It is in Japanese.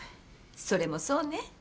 それもそうね。